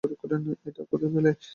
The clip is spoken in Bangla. এটা কোথায় পেলে?